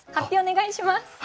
発表お願いします。